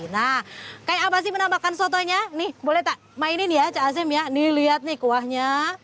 nah kayak apa sih menambahkan sotonya nih boleh tak mainin ya cak azim ya ini lihat nih kuahnya